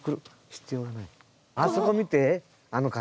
あそこ見てあの柿。